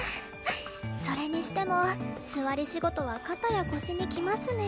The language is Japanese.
それにしても座り仕事は肩や腰にきますね。